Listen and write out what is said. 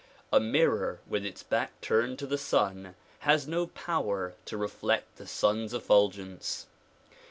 A mirror with its back turned to the sun has no power to reflect the sun's effulgence.